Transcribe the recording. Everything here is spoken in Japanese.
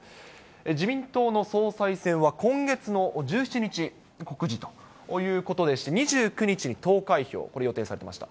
自民党の総裁選は、今月の１７日告示ということでして、２９日に投開票、これ、予定されていました。